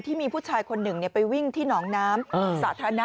ที่มีผู้ชายคนหนึ่งไปวิ่งที่หนองน้ำสาธารณะ